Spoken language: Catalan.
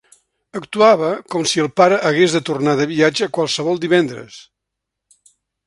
Actuava com si el pare hagués de tornar de viatge qualsevol divendres.